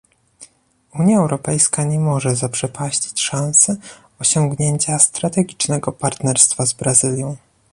Unia Europejska nie może zaprzepaścić szansy osiągnięcia strategicznego partnerstwa z Brazylią